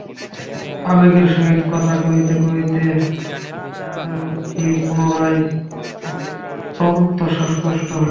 আবেগের সহিত কথা কহিতে কহিতে রাজলক্ষ্মীর পুনরায় অত্যন্ত শ্বাসকষ্ট হইল।